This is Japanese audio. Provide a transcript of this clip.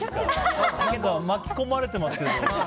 何か巻き込まれてますけど。